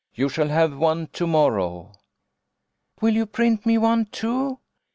"You shall have one to morrow." " Will you print me one, too